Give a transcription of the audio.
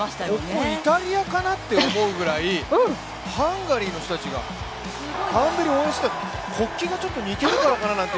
ここイタリアかなって思うくらいハンガリーの人たちがタンベリを応援していた、国旗がちょっと似てるからかなと。